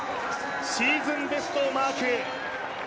シーズンベストをマーク。